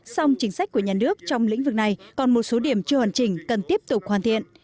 song chính sách của nhà nước trong lĩnh vực này còn một số điểm chưa hoàn chỉnh cần tiếp tục hoàn thiện